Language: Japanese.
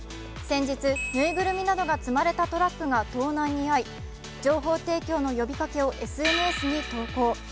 先日、ぬいぐるみなどが積まれたトラックが盗難に遭い情報提供の呼びかけをＳＮＳに投稿。